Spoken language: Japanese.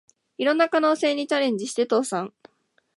いろんな可能性にチャレンジして倒産